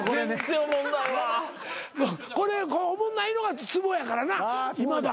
これおもんないのがつぼやからな今田。